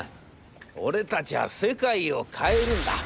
俺たちは世界を変えるんだ』。